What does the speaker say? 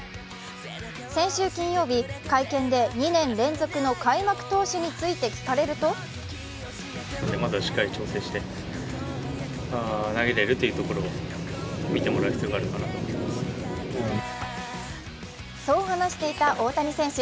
先週金曜日、会見で２年連続の開幕投手について聞かれるとそう話していた大谷選手。